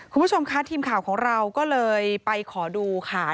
คุณผู้ชมค่ะทีมข่าวของเราก็เลยไปขอดูค่ะ